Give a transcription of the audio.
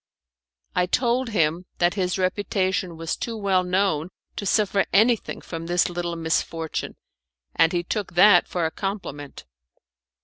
I told him that his reputation was too well known to suffer anything from this little misfortune, and he took that for a compliment.